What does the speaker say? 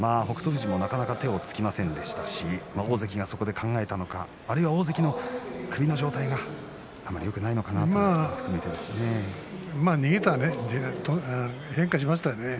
富士もなかなか手をつきませんでしたし大関がそこで考えたのがあるいは大関の首の状態があまりよくないのかなという感じですかね。